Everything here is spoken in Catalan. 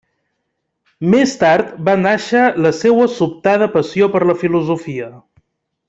Més tard va nàixer la seua sobtada passió per la filosofia.